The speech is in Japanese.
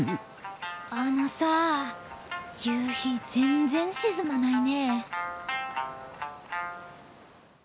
あのさ夕日全然沈まないね。